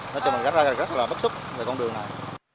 nó cho mình rất là bất xúc về con đường này